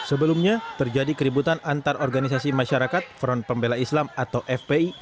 sebelumnya terjadi keributan antar organisasi masyarakat front pembela islam atau fpi